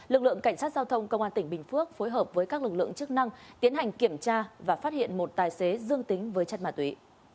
lực lượng cảnh sát giao thông công an tỉnh bình phước phối hợp với các lực lượng chức năng tiến hành kiểm tra và phát hiện một tài xế dương tính với chất ma túy